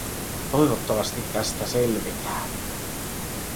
Toivottavasti tästä selvitään.